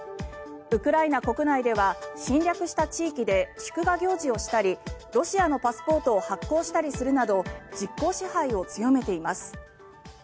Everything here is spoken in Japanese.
ウクライナ国内では侵略した地域で祝賀行事をしたりロシアのパスポートを発行したりするなど実効支配を強めています。